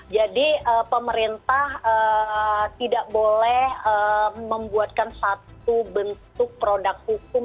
jadi pemerintah tidak boleh membuatkan satu bentuk produk hukum